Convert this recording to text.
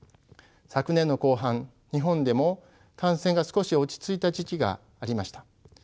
昨年の後半日本でも感染が少し落ち着いた時期がありました。